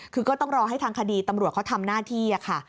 คือก็ต้องรอให้ทางคดีตำรวจเขาทำหน้าที่ค่ะ